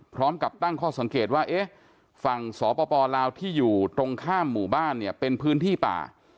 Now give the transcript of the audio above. พร้อมกับตั้งข้อสังเกตว่าเอ๊ะฝั่งสปลาวที่อยู่ตรงข้ามหมู่บ้านเนี่ยเป็นพื้นที่ป่า